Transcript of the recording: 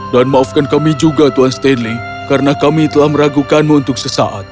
dan maafkan kami juga tuan stanley karena kami telah meragukanmu untuk sesaat